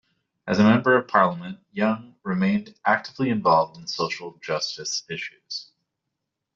As a member of parliament, Young remained actively involved in social justice issues.